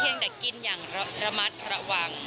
ยังแต่กินอย่างระมัดระวัง